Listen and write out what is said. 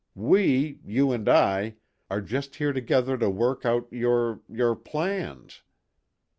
"We you and I are just here together to work out your your plans.